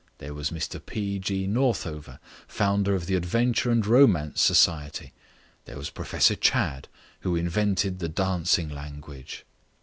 There was Mr P. G. Northover, founder of the Adventure and Romance Agency. There was Professor Chadd, who invented the Dancing Language.